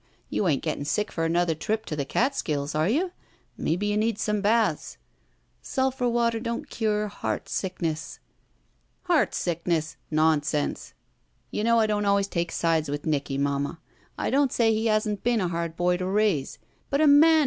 You ain't getting sick for another trip to the Catskills, are you? Maybe you need some baths —" "Stdphur water don't cure heart sickness." "Heart sickness, nonsense! You know I don't always take sides with Nicky, Mamma. I don't say he hasn't been a hard boy to raise. But a man.